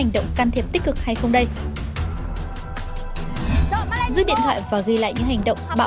một lời can thiệp từ xa nhưng chưa đủ để ngăn chặn hành động này